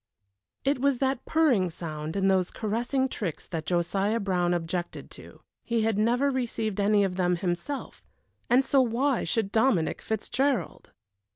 It was that purring sound and those caressing tricks that Josiah Brown objected to. He had never received any of them himself, and so why should Dominic Fitzgerald?